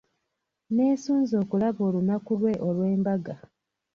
Nneesunze okulaba olunaku lwe olw'embaga.